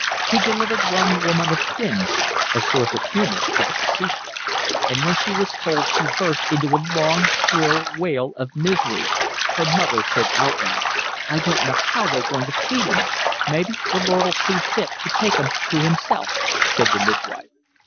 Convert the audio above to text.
He delivered one woman of twins (a source of humour to the facetious) and when she was told she burst into a long, shrill wail of misery. Her mother said outright: "I don't know how they're going to feed 'em." "Maybe the Lord'll see fit to take 'em to 'imself," said the midwife.